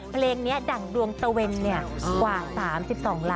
เพลงนี้ดั่งดวงตะเว่นเนี่ยกว่า๓๒ล้านวิวเลยล่ะ